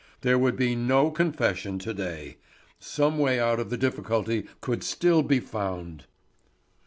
There would be no confession to day. Some way out of the difficulty could still be found.